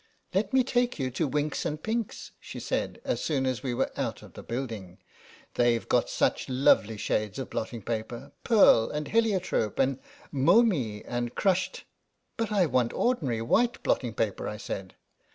"Let me take you to Winks and Pinks," she said as soon as we were out of the building :" they've got such lovely shades of blotting paper — pearl and heliotrope and momie and crushed " "But I want ordinary white blotting paper," I said.